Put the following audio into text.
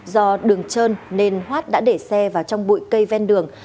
do đường trơn nên hoát đã để xe vào trong bụi cây ven đường